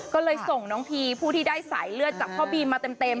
ก็เลยส่งน้องพีผู้ที่ได้สายเลือดจากพ่อบีมมาเต็ม